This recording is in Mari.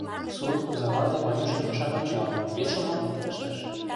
Сурт озавате Ванюшым ышат ончал, вес шомакым пелештыш: